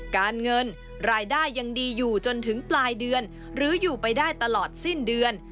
การเงินรายได้ยังดีอยู่จนถึงปลายเดือนหรืออยู่ไปได้ตลอดสิ้นเดือน